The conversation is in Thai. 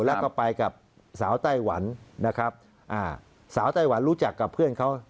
แล้วก็ไปกับสาวไต้หวันนะครับอ่าสาวไต้หวันรู้จักกับเพื่อนเขา